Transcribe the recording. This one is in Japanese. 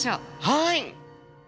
はい！